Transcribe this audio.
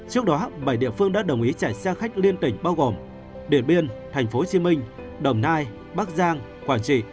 trước đó bảy địa phương đã đồng ý chạy xe khách liên tỉnh bao gồm điện biên tp hcm đồng nai bắc giang quảng trị